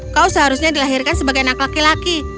kau seharusnya dilahirkan sebagai anak laki laki